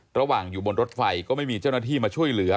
ระหว่างอยู่บนรถไฟก็ไม่มีเจ้าหน้าที่มาช่วยเหลือ